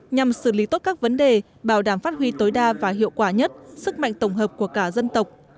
nhằm xử lý tốt các vấn đề bảo đảm phát huy tối đa và hiệu quả nhất sức mạnh tổng hợp của cả dân tộc